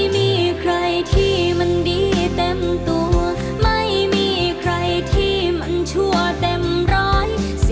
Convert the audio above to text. มีคนที่อยู่ในหัวใจ